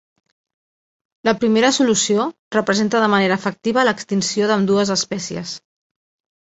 La primera solució representa de manera efectiva l'extinció d'ambdues espècies.